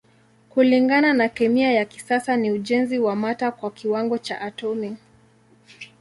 Kulingana na kemia ya kisasa ni ujenzi wa mata kwa kiwango cha atomi.